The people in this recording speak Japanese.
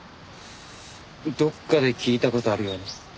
どっかで聞いた事あるような。